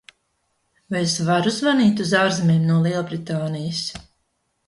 Vai es varu zvanīt uz ārzemēm no Lielbritānijas?